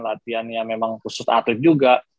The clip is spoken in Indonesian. latihan yang memang khusus atlet juga